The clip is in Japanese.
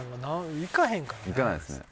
いかないですね。